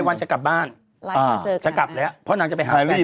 ใครวันจะกลับบ้านอ่าจะกลับแล้วเพราะนางจะไปหาแฟนที่